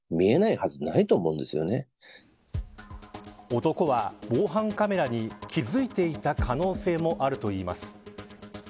男は、防犯カメラに気付いていた可能性もあるといいます。